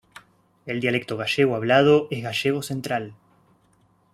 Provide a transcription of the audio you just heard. El dialecto gallego hablado es gallego central.